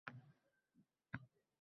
Voy, nega begona joy bo`larkan